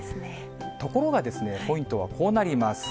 ところがポイントはこうなります。